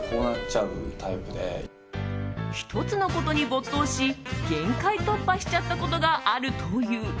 １つのことに没頭し限界突破しちゃったことがあるという。